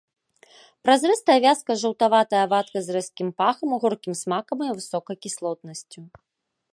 Празрыстая вязкая жаўтаватая вадкасць з рэзкім пахам, горкім смакам і высокай кіслотнасцю.